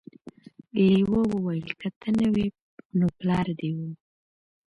لیوه وویل که ته نه وې نو پلار دې و.